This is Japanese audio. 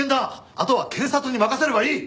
あとは検察に任せればいい。